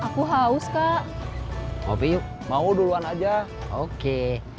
aku haus kak hobinya mau duluan aja oke